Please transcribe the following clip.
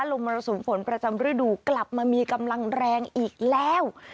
มรสุมฝนประจำฤดูกลับมามีกำลังแรงอีกแล้ว